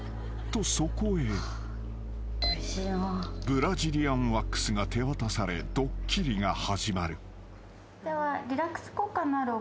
［ブラジリアンワックスが手渡されドッキリが始まる］では。